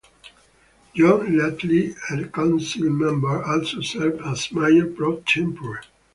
John Langly, a council member, also serves as mayor pro tempore.